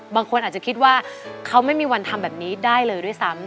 บางคนอาจจะคิดว่าเขาไม่มีวันทำแบบนี้ได้เลยด้วยซ้ำ